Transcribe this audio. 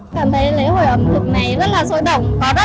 cảm thấy lễ hội ẩm thực này rất là rỗi động